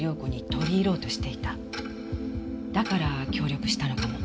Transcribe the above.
だから協力したのかも。